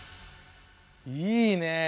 いいね！